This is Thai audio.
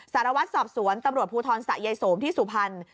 สารวัตรสอบสวนตำรวจภูทรสะยายสมที่สุพรรณ